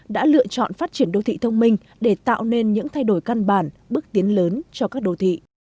đã lựa chọn phát triển đô thị thông minh để tạo nên những thay đổi căn bản bước tiến lớn cho các đô thị